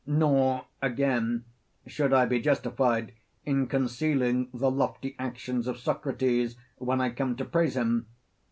Nor, again, should I be justified in concealing the lofty actions of Socrates when I come to praise him.